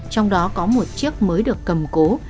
trong đó có một chiếc mới được cầm cố